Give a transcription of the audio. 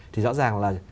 thì rõ ràng là